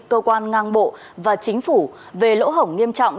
cơ quan ngang bộ và chính phủ về lỗ hổng nghiêm trọng